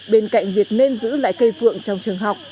bên cạnh việc nên giữ lại cây phượng trong trường học